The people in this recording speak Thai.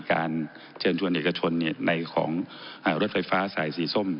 การเชิญชวนเอกชนในของรถไฟฟ้าสายสีส้ม